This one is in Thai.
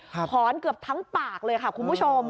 หอนเกือบทั้งปากเลยค่ะคุณผู้ชม